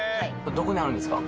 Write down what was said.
どこにあるんですか？